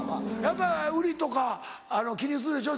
やっぱ売りとか気にするでしょ？